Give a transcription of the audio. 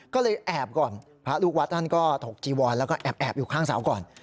ก็เลยแอบก่อนพระลูกวัดท่านก็ถกจีวอนแล้วก็แอบอยู่ข้างเสาก่อน